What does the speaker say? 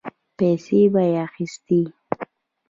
پيسې به يې اخيستې.